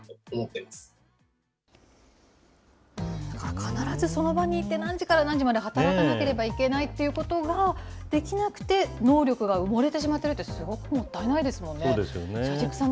必ずその場にいて、何時から何時まで働かなければいけないということができなくて能力が埋もれてしまっているって、すごくもったいないですもんね。